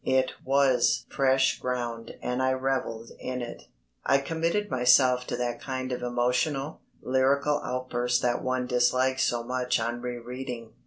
It was fresh ground and I revelled in it. I committed myself to that kind of emotional, lyrical outburst that one dislikes so much on re reading.